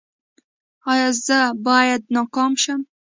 ایا زه باید ناکام شم؟